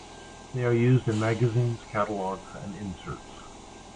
They are used in magazines, catalogs, and inserts.